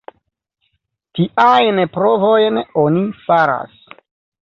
Tiajn provojn oni faras.